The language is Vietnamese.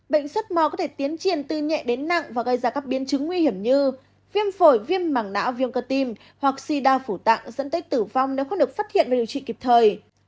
bệnh xuất mò có thể tiến triển từ nhẹ đến nặng và gây ra các biến chứng nguy hiểm như viêm phổi viêm mảng não viêm cơ tim hoặc si đa phủ tạng dẫn tới tử vong nếu không được phát hiện và điều trị kịp thời